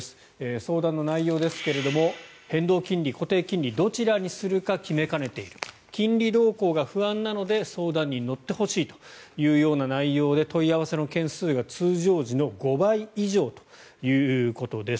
相談の内容ですが変動金利、固定金利どちらにするか決めかねている金利動向が不安なので相談に乗ってほしいというような内容で問い合わせの件数が通常時の５倍以上ということです。